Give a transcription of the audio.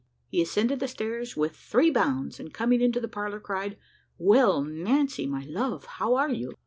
He ascended the stairs with three bounds, and coming into the parlour, cried, "Well, Nancy, my love, how are you?"